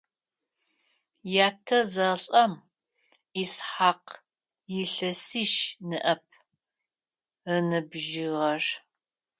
Ятэ зэлӀэм Исхьакъ илъэсищ ныӀэп ыныбжьыгъэр.